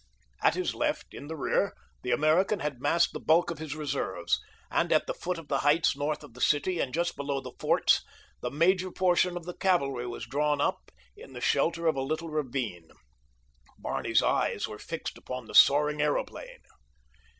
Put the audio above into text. At his left, in the rear, the American had massed the bulk of his reserves, and at the foot of the heights north of the city and just below the forts the major portion of the cavalry was drawn up in the shelter of a little ravine. Barney's eyes were fixed upon the soaring aeroplane.